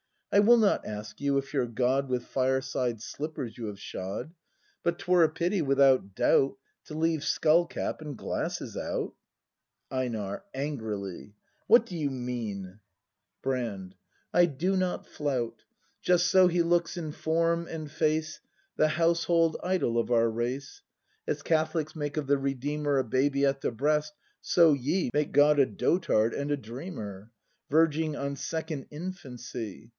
I will not ask you, if your God With fireside slippers you have shod; But 'twere a pity, without doubt. To leave skull cap and glasses out. EiNAR. [Angrily.] What do you mean ? 42 BRAND [act i Brand. I do not flout; Just so he looks in form and face. The household idol of our race. As Catholics make of the Redeemer A baby at the breast, so ye Make God a dotard and a dreamer. Verging on second infancy.